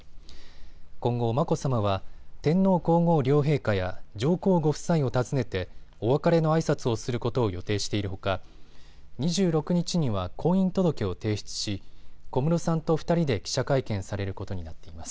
今後、眞子さまは天皇皇后両陛下や上皇ご夫妻を訪ねてお別れのあいさつをすることを予定しているほか２６日には婚姻届を提出し小室さんと２人で記者会見されることになっています。